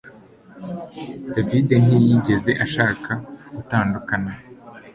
David ntiyigeze ashaka gutandukana